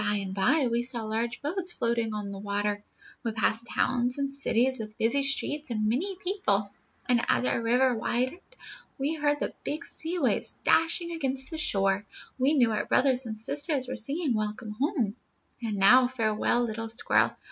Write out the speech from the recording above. "By and by, we saw large boats floating on the water. We passed towns and cities with busy streets and many people; and as our river widened, and we heard the big sea waves dashing against the shore, we knew our brothers and sisters were singing a welcome home. [Illustration: "WE PASSED TOWNS AND CITIES."] "And now farewell, little squirrel.